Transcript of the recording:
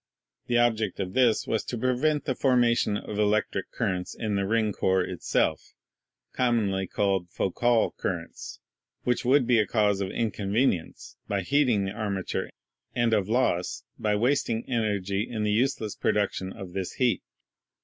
The object of this was to pre vent the formation of electric currents in this ring core itself, commonly called Foucault currents, which would be a cause of inconvenience by heating the armature and of loss by wasting energy in the useless production of this heat.